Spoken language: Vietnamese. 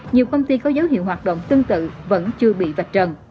nhiều công ty có dấu hiệu hoạt động tương tự vẫn chưa bị vạch trần